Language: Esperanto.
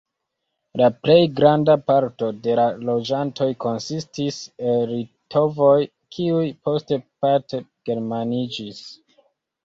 La plej granda parto de la loĝantoj konsistis el litovoj, kiuj poste parte germaniĝis.